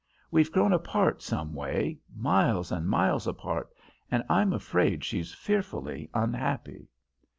We've grown apart, some way miles and miles apart and I'm afraid she's fearfully unhappy."